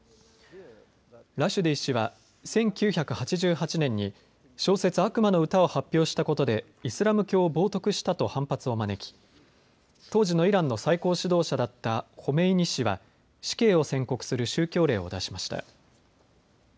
ラシュディ氏は１９８８年に小説、悪魔の詩を発表したことでイスラム教を冒とくしたと反発を招き当時のイランの最高指導者だったホメイニ師は死刑を宣告する宗教令を出しました。